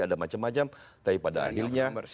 ada macam macam tapi pada akhirnya